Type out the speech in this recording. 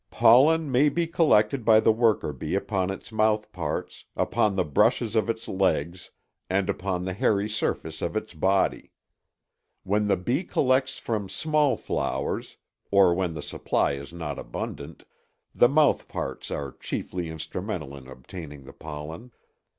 Pollen may be collected by the worker bee upon its mouthparts, upon the brushes of its legs, and upon the hairy surface of its body. When the bee collects from small flowers, or when the supply is not abundant, the mouthparts are chiefly instrumental in obtaining the pollen.